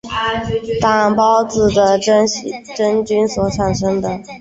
担孢子的真菌所产生的。